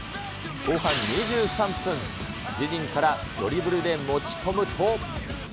後半２３分、自陣からドリブルで持ち込むと。